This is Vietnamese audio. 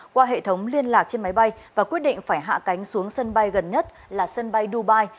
qua hệ thống liên lạc trên máy bay và quyết định phải hạ cánh xuống sân bay gần nhất là sân bay dubai